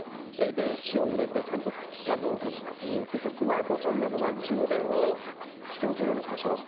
電池を入れてちゃんとつくかどうかの確認、そしてスマートフォンなどは充電をしておくようにしましょう。